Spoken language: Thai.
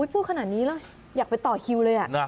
พูดขนาดนี้แล้วอยากไปต่อคิวเลย